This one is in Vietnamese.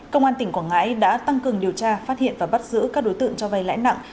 công an tỉnh quảng ngãi đã tăng cường điều tra phát hiện và bắt giữ các đối tượng cho vay lãi nặng